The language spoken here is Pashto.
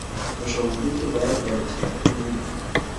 په ښوونځي کې باید بد اخلاقي نه وي.